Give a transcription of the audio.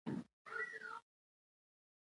لهٔ شرمه مې برچه لهٔ لاسه پریوته… »